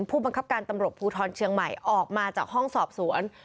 ผู้บังคับการตำรวจภูทรเชียงใหม่ออกมาจากห้องสอบสวน